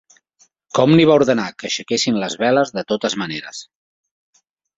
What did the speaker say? Commi va ordenar que aixequessin les veles de totes maneres.